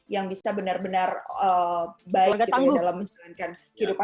yang bisa benar benar baik dalam menjalankan hidup